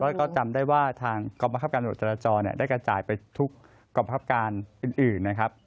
แล้วก็จำได้ว่าทางกองประคับการตรวจจราจรได้กระจายไปทุกกองบังคับการอื่นนะครับ